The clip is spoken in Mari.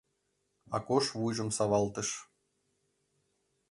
Акош вуйжым савалтыш.